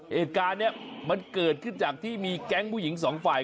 เหตุการณ์นี้มันเกิดขึ้นจากที่มีแก๊งผู้หญิงสองฝ่าย